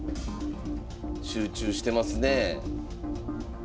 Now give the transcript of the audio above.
集中してますねえ。